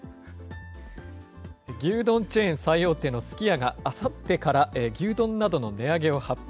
牛丼チェーン最大手のすき家があさってから牛丼などの値上げを発表。